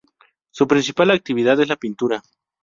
Su principal actividad es la pintura.